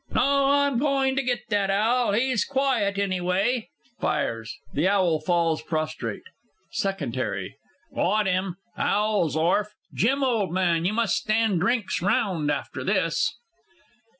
No; I'm goin' to git that owl. He's quiet any way. [Fires. The owl falls prostrate. SECOND 'ARRY. Got 'im! Owl's orf! Jim, old man, you must stand drinks round after this!